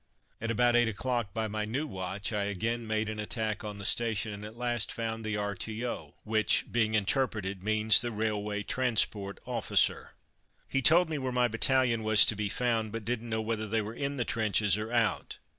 At about eight o'clock by my new watch I again made an attack on the station, and at last found the R.T.O., which, being interpreted, means the Railway Transport Officer. He told me where my battalion was to be found; but didn't know whether they were in the trenches or out.